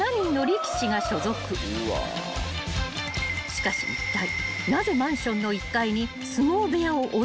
［しかしいったい］